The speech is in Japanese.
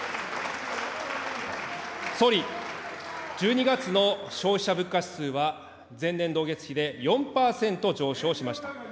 総理、１２月の消費者物価指数は前年同月比で４％上昇しました。